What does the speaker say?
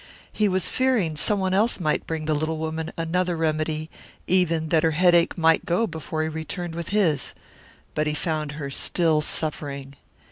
He was fearing someone else might bring the little woman another remedy; even that her headache might go before he returned with his. But he found her still suffering.